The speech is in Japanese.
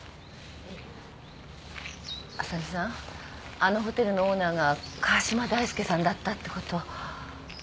あのホテルのオーナーが川嶋大介さんだったってこと。